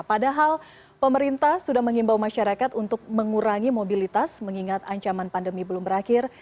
padahal pemerintah sudah mengimbau masyarakat untuk mengurangi mobilitas mengingat ancaman pandemi belum berakhir